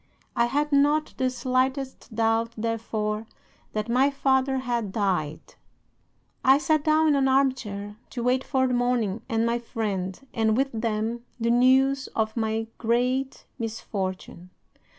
I had not the slightest doubt, therefore, that my father had died. "'I sat down in an arm chair to wait for the morning and my friend, and, with them, the news of my great misfortune.